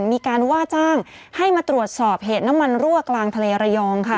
มีการว่าจ้างให้มาตรวจสอบเหตุน้ำมันรั่วกลางทะเลระยองค่ะ